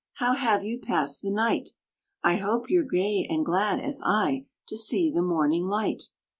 How have you passed the night? I hope you're gay and glad as I To see the morning light.